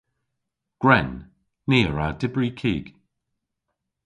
Gwren. Ni a wra dybri kig.